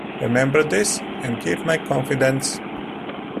Remember this, and keep my confidence.